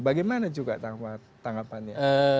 bagaimana juga tanggapannya